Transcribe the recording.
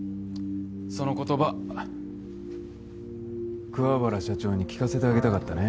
その言葉桑原社長に聞かせてあげたかったね。